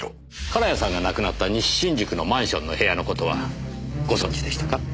金谷さんが亡くなった西新宿のマンションの部屋の事はご存じでしたか？